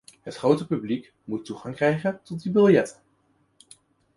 Het grote publiek moet toegang krijgen tot die biljetten.